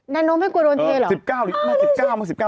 แนนโนะไม่กลัวโดนทีเหรอ